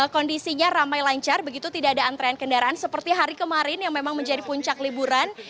kondisinya ramai lancar begitu tidak ada antrean kendaraan seperti hari kemarin yang memang menjadi puncak liburan